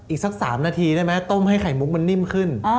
อีกสัก๓นาทีได้ไหมต้มให้ไข่มุกมันนิ่มขึ้น